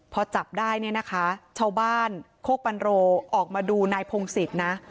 พอจับได้เนี่ยนะคะชาวบ้านโคกปันโรออกมาดูนายพงศิษย์นะ